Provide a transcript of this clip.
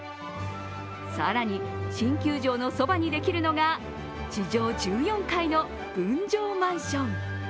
更に、新球場のそばにできるのが、地上１４階の分譲マンション。